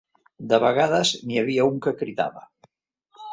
De vegades n'hi havia un que cridava